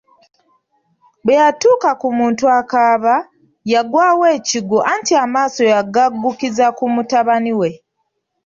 Bwe yatuuka ku muntu akaaba yagwawo nekigwo anti amaaso yagaggukkiza ku mutabani we.